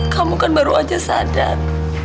kamu kan baru aja sadar